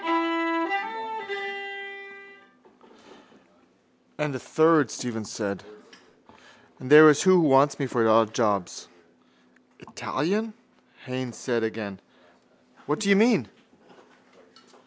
—And a third, Stephen said, there is who wants me for odd jobs. —Italian? Haines said again. What do you mean?